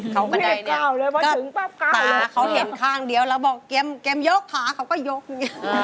เข้าบันไดนี่ตาเขาเหยียบข้างเดียวแล้วบอกแก่มยกขาเขาก็ยกอย่างนี้